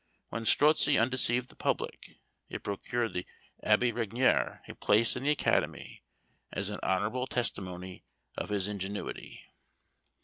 When Strozzi undeceived the public, it procured the Abbé Regnier a place in the academy, as an honourable testimony of his ingenuity.